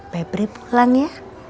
pebri pulang ya